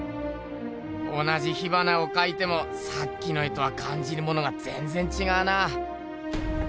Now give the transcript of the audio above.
同じ火花をかいてもさっきの絵とはかんじるものがぜんぜんちがうな。